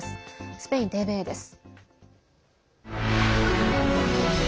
スペインＴＶＥです。